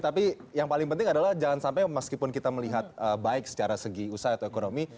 tapi yang paling penting adalah jangan sampai meskipun kita melihat baik secara segi usaha atau ekonomi